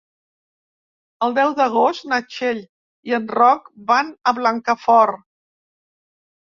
El deu d'agost na Txell i en Roc van a Blancafort.